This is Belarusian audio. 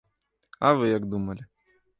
А вы як думалі?